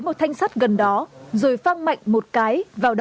một thanh sắt gần đó rồi phan mạnh một cái vào đó